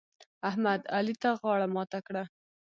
احمد؛ علي ته غاړه ماته کړه.